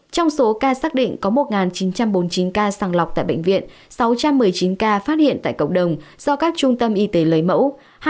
trong số ca xác định có một chín trăm bốn mươi chín ca sàng lọc tại bệnh viện sáu trăm một mươi chín ca phát hiện tại cộng đồng do các trung tâm y tế lấy mẫu